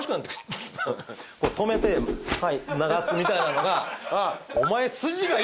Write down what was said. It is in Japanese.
こう止めてはい流すみたいなのが。